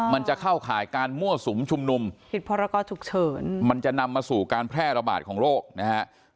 มันจะเข้าข่ายการมั่วสุมชุมนุมผิดพรกรฉุกเฉินมันจะนำมาสู่การแพร่ระบาดของโรคนะฮะ